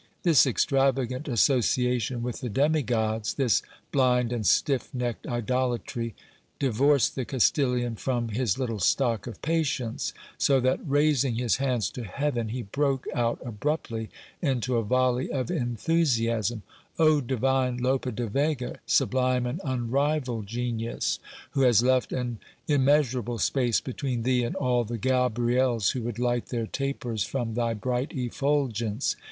This extravagant association with the demi gods, this blind and stiff necked idolatry, divorced the Castilian from his little stock of patience, so that, raising his hands to heaven, he broke out abruptly into a volley of enthusiasm : O divine Lope de Vega, sublime and unrivalled genius, who has left an immeasurable space between thee and all the Gabriels who would light their tapers from thy bright effulgence